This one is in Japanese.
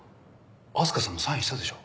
明日香さんもサインしたでしょ？